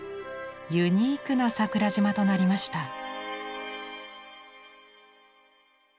ユニークな桜島となりました。